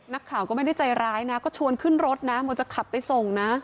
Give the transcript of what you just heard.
นักข่าวก็ไม่ได้ใจร้ายนะก็ชวนขึ้นรถนะเหมือนจะขับไปส่งนะ